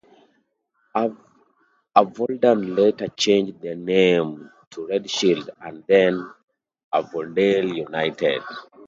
Avondale later changed their name to Red Shield and then Avondale United.